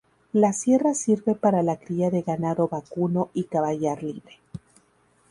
La sierra sirve para la cría de ganado vacuno y caballar libre.